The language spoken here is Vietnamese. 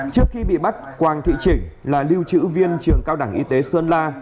trước khi bị bắt quang thị trịnh là lưu trữ viên trường cao đẳng y tế sơn la